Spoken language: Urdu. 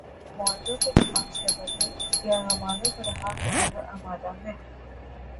معاہدوں کے نفاذ کے بدلے یرغمالوں کو رہا کرنے پر آمادہ ہے